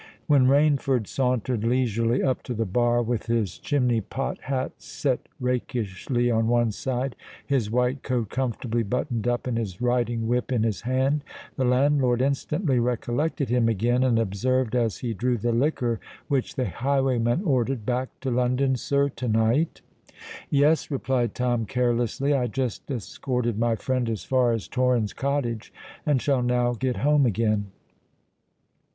When Rainford sauntered leisurely up to the bar, with his chimney pot hat set rakishly on one side, his white coat comfortably buttoned up, and his riding whip in his hand, the landlord instantly recollected him again, and observed, as he drew the liquor which the highwayman ordered, "Back to London, sir, to night?" "Yes," replied Tom carelessly: "I just escorted my friend as far as Torrens Cottage, and shall now get home again."